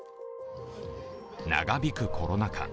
長引くコロナ禍。